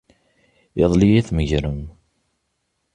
Iḍelli ay tmegrem.